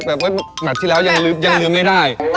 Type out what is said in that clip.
แบบแมทที่แล้วยังลืมไม่ได้